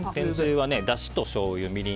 はだしとしょうゆとみりん